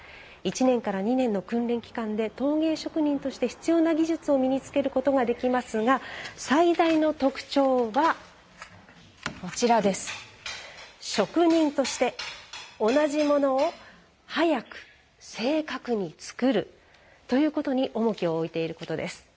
１年から２年の訓練期間で陶芸職人として必要な技術を身につけることができますが最大の特徴は職人として同じものを早く・正確に作るということに重きを置いていることです。